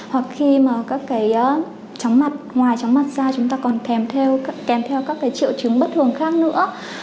hoặc khi mà các cái chóng mặt ngoài chóng mặt da chúng ta còn kèm theo các triệu chứng bất thường khác nữa